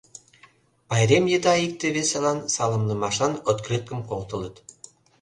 Пайрем еда икте-весылан саламлымашан открыткым колтылыт.